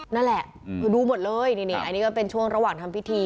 นั่นแหละคือดูหมดเลยนี่อันนี้ก็เป็นช่วงระหว่างทำพิธี